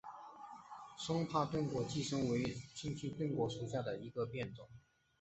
松柏钝果寄生为桑寄生科钝果寄生属下的一个变种。